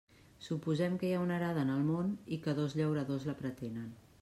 Suposem que hi ha una arada en el món i que dos llauradors la pretenen.